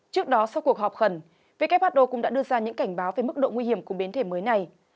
trước đó sau cuộc họp khẩn who cũng đã đưa ra những cảnh báo về mức độ nguy hiểm của biến thể mới này